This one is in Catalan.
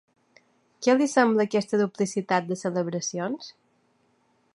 Què li sembla aquesta duplicitat de celebracions?